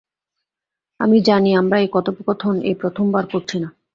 আমি জানি আমরা এই কথোপকথন এই প্রথমবার করছি না।